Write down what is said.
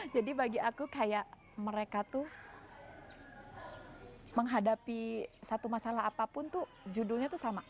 jadi bagi aku kayak mereka tuh menghadapi satu masalah apapun tuh judulnya tuh sama